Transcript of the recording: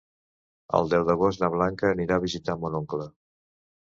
El deu d'agost na Blanca anirà a visitar mon oncle.